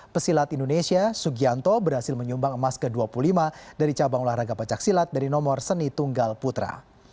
pesilat indonesia sugianto berhasil menyumbang emas ke dua puluh lima dari cabang olahraga pencaksilat dari nomor seni tunggal putra